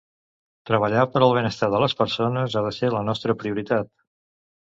Treballar per al benestar de les persones ha de ser la nostra prioritat